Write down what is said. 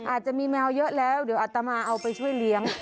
อาจจะมีแมวเยอะแล้วเดี๋ยวอัตมาเอาไปช่วยเลี้ยง